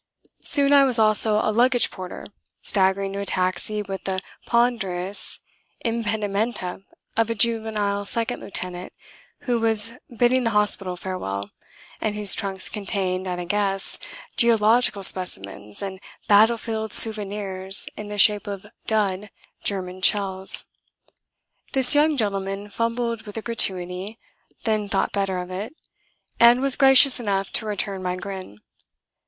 Soon I was also a luggage porter, staggering to a taxi with the ponderous impedimenta of a juvenile second lieutenant who was bidding the hospital farewell, and whose trunks contained at a guess geological specimens and battlefield souvenirs in the shape of "dud" German shells. This young gentleman fumbled with a gratuity, then thought better of it and was gracious enough to return my grin.